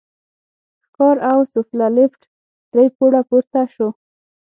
ښکار او سوفله، لېفټ درې پوړه پورته شو.